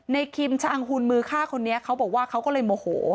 คิมชะอังหุ่นมือฆ่าคนนี้เขาบอกว่าเขาก็เลยโมโห